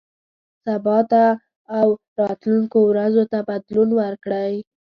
سبا ته او راتلونکو ورځو ته بدلون ورکړئ.